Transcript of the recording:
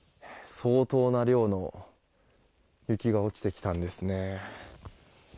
相当な量の雪が落ちてきたんですね。